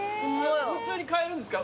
普通に買えるんですか？